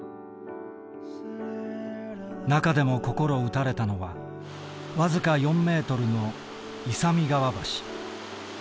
中でも心打たれたのは僅か４ｍの勇川橋。